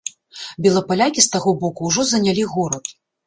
Белапалякі з таго боку ўжо занялі горад.